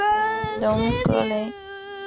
隆格雷。